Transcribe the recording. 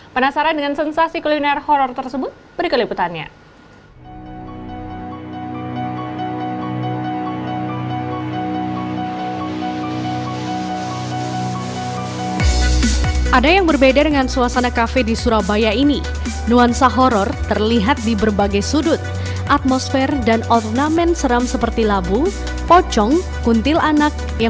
penasaran dengan sensasi kuliner horror tersebut beri keliputannya